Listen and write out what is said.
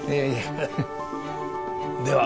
では。